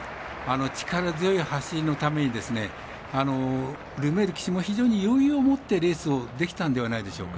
力強い走りのためにルメール騎手も非常に余裕を持ってレースをできたんではないでしょうか。